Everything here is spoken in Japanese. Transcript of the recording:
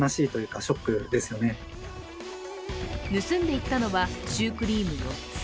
盗んでいったのはシュークリーム４つ。